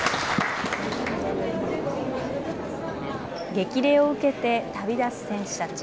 激励を受けて旅立つ選手たち。